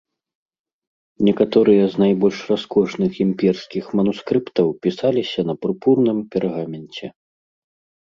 Некаторыя з найбольш раскошных імперскіх манускрыптаў пісаліся на пурпурным пергаменце.